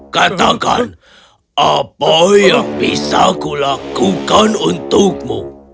katakan apa yang bisa kulakukan untukmu